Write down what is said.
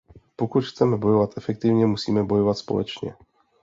Pokud chceme bojovat efektivně, musíme bojovat společně.